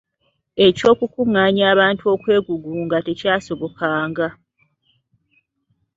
Eky’okukuղղaanya abantu okwegugunga tekyasobokanga.